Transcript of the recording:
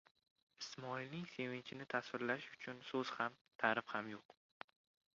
Ismoilning sevinchini tasvirlash uchun so'z ham, ta'rif ham yo'q.